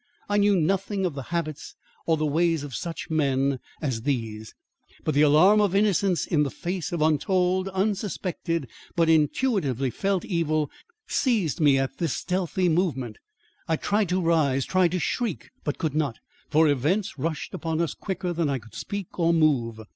I knew nothing of the habits or the ways of such men as these, but the alarm of innocence in the face of untold, unsuspected but intuitively felt evil, seized me at this stealthy movement, and I tried to rise, tried to shriek, but could not; for events rushed upon us quicker than I could speak or move.